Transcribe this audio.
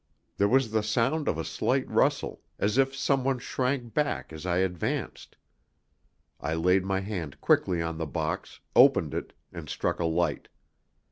There was the sound of a slight rustle, as if someone shrank back as I advanced. I laid my hand quickly on the box, opened it, and struck a light.